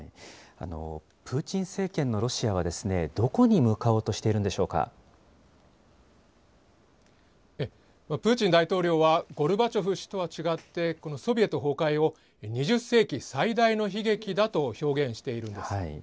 プーチン政権のロシアはどこに向かおうとしているんでしょうプーチン大統領は、ゴルバチョフ氏とは違って、このソビエト崩壊を２０世紀最大の悲劇だと表現しているんです。